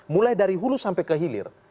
mulai dari hulus sampai kehilir